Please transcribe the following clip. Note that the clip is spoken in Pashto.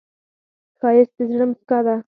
ښایست د زړه موسکا ده